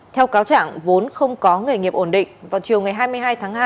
theo cáo chẳng vốn không có nghề nghiệp ổn định vào chiều ngày hai mươi hai tháng hai